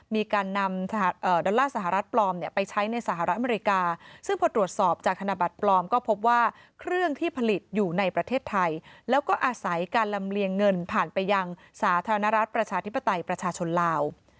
ผ่านไปยังสาธารณรัฐประชาธิปไตยประชาชนลาว